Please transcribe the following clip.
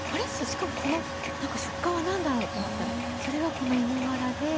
しかもこのなんか食感は何だろう？」と思ったらそれがこの芋がらで。